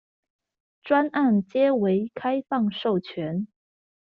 專案皆為開放授權